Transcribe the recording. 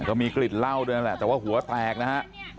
ก็มีกลิ่นเหล้าด้วยนั่นแหละแต่ว่าหัวแตกนะฮะ